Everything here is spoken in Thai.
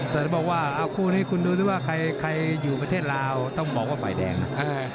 แต่จะบอกว่าเอาคู่นี้คุณดูสิว่าใครอยู่ประเทศลาวต้องบอกว่าฝ่ายแดงนะ